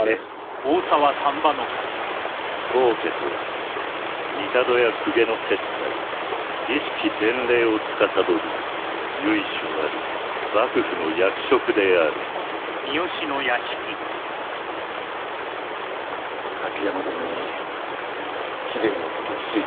高家とは帝や公家の接待儀式典礼をつかさどる由緒ある幕府の役職である滝山殿に貴殿のことを推挙いたした。